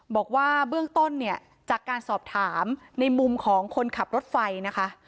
บอกว่าเบื้องต้นเนี่ยจากการสอบถามในมุมของคนขับรถไฟนะคะ